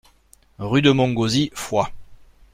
Rue de Montgauzy, Foix